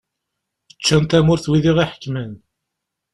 Ččan tamurt wid iɣ-iḥekmen.